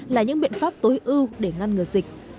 là những biện pháp tối ưu để ngăn ngừa dịch